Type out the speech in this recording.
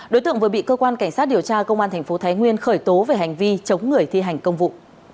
đối tượng vừa bị cơ quan cảnh sát điều tra công an tp thái nguyên khởi tố về hành vi chống người thi hành công vụ